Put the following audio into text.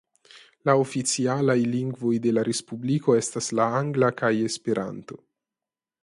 La oficialaj lingvoj de la respubliko estas la angla kaj Esperanto.